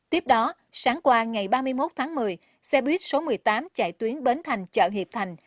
tiếp đó sáng qua ngày ba mươi một tháng một mươi xe buýt số một mươi tám chạy tuyến bến thành chợ hiệp thành